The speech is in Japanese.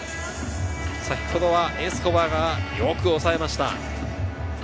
先ほどはエスコバーがよく抑えました。